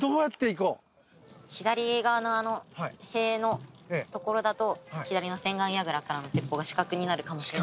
左側の塀の所だと左の千貫櫓からの鉄砲が死角になるかもしれない。